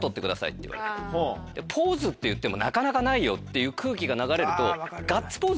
ポーズといってもなかなかないよっていう空気が流れると。